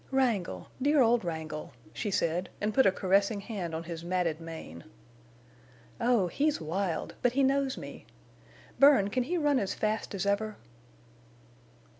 "Wrangle—dear old Wrangle," she said, and put a caressing hand on his matted mane. "Oh, he's wild, but he knows me! Bern, can he run as fast as ever?"